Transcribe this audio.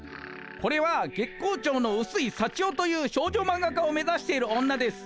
これは月光町のうすいさちよという少女マンガ家を目指している女です。